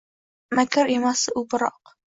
Makr emasdi u biroq.